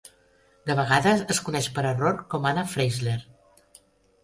De vegades es coneix per error com Anna Freisler.